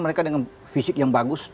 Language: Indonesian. mereka dengan fisik yang bagus